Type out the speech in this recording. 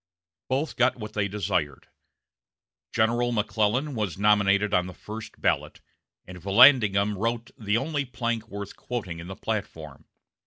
Both got what they desired. General McClellan was nominated on the first ballot, and Vallandigham wrote the only plank worth quoting in the platform.